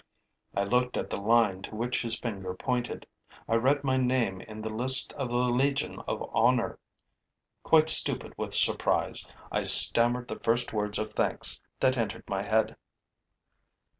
I looked at the line to which his finger pointed. I read my name in the list of the Legion of Honor. Quite stupid with surprise, I stammered the first words of thanks that entered my head.